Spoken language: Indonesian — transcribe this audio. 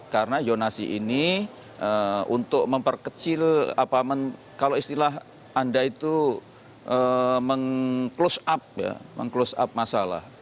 karena zonasi ini untuk memperkecil kalau istilah anda itu meng close up masalah